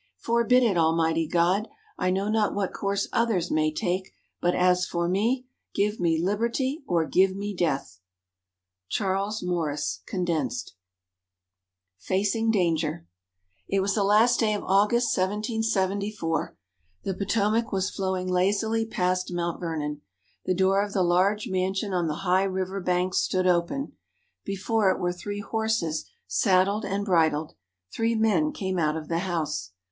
"Forbid it, Almighty God! I know not what course others may take; but as for me, give me Liberty or give me Death!" Charles Morris (Condensed) FACING DANGER It was the last day of August, 1774. The Potomac was flowing lazily past Mount Vernon. The door of the large mansion on the high river bank stood open. Before it were three horses saddled and bridled. Three men came out of the house.